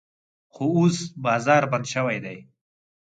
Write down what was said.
خو اوس بازار بند شوی دی.